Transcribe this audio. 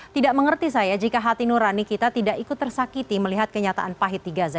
tidak mengerti saya jika hati nurani kita tidak ikut tersakiti melihat kenyataan pahit di gaza